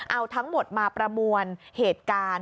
เอาทั้งหมดมาประมวลเหตุการณ์